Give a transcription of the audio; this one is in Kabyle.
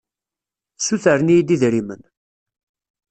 Ssutren-iyi-d idrimen.